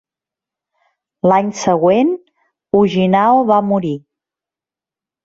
L'any següent, Ujinao va morir.